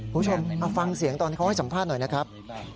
คุณผู้ชมเอาฟังเสียงตอนเขาให้สัมภาษณ์หน่อยนะครับ